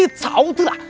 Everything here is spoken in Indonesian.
ini tidak baik